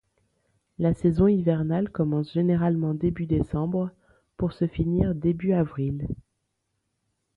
La saison hivernale commence généralement début décembre, pour se finir début avril.